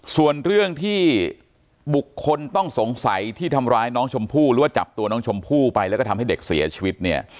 ส่วนเรื่องที่บุคคลต้องสงสัยที่ทำร้ายน้องชมพู่หรือว่าจับตัวน้องชมพู่ไปแล้วก็ทำให้เด็กเสียชีวิตเนี่ย